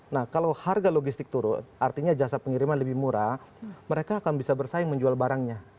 nah kalau harga logistik turun artinya jasa pengiriman lebih murah mereka akan bisa bersaing menjual barangnya